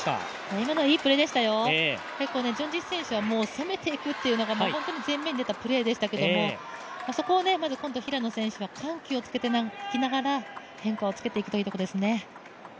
今のはいいプレーでしたよ、チョン・ジヒ選手は攻めていくというのがホントに前面に出たプレーでしたが、そこを平野選手が緩急をつけながら変化をつけていくというところですね。